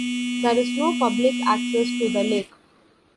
There is no public access to the lake.